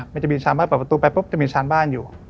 เปิดประตูไปจะมีชานบ้านอยู่